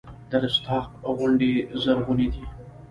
د رستاق غونډۍ زرغونې دي